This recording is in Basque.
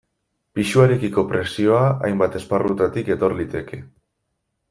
Pisuarekiko presioa hainbat esparrutatik etor liteke.